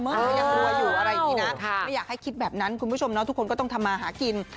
ยังรวยอยู่อะไรอย่างนี้นะไม่อยากให้คิดแบบนั้นคุณผู้ชมทุกคนก็ต้องทำมาหากิน